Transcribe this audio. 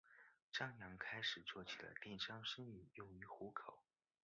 张漾开始做起了电商生意用以糊口。